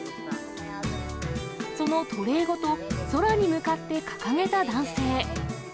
そのトレーごと、空に向かって掲げた男性。